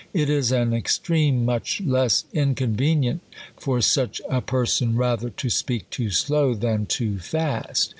It is an extreme much less inconvenient for such a person rather to speak too slow, than too fast.